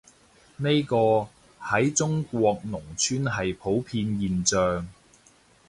呢個，喺中國農村係普遍現象